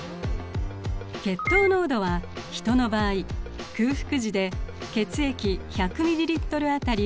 血糖濃度はヒトの場合空腹時で血液１００ｍＬ当たり